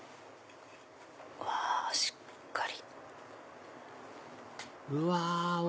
うわしっかり。